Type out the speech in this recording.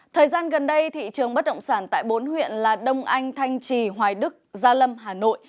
thời gian gần đây thị trường bất động sản tại bốn huyện là đông anh thanh trì hoài đức gia lâm hà nội